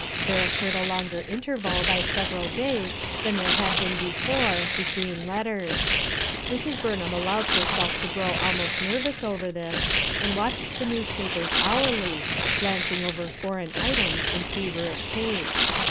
There occurred a longer interval by several days than there had been before, between letters. Mrs, Burnham allowed herself to grow almost nervous over this, and watched the newspapers hourly, glancing over foreign items in feverish haste.